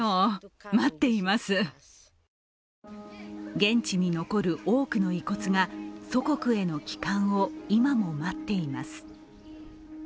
現地に残る多くの遺骨が祖国への帰還を今も待っています。